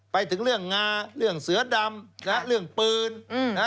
ไปถึงเรื่องงาเรื่องเสือดำเรื่องปืน